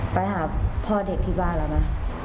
ไปหาพ่อเด็กที่บ้านแล้วนะ